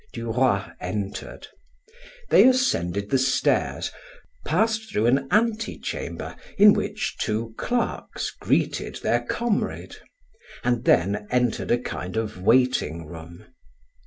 Duroy entered; they ascended the stairs, passed through an antechamber in which two clerks greeted their comrade, and then entered a kind of waiting room.